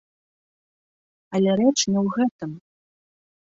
Але рэч не ў гэтым!